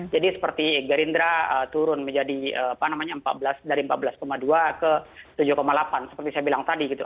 jadi seperti gerindra turun menjadi apa namanya dari empat belas dua ke tujuh delapan seperti saya bilang tadi gitu